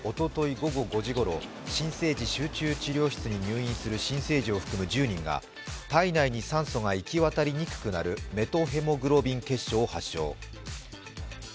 午後５時ごろ新生児集中治療室に入院する新生児を含む１０人が体内に酸素が行き渡りにくくなるメトヘモグロビン血症を発症。